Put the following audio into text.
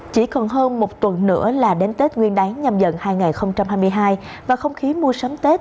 chỉ còn hơn một tuần nữa là đến tết nguyên đáng nhầm dận hai nghìn hai mươi hai và không khí mua sắm tết